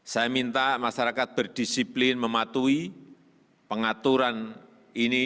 saya minta masyarakat berdisiplin mematuhi pengaturan ini